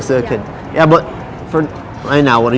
ถ้าคุณอยากทำได้